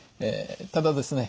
ただですね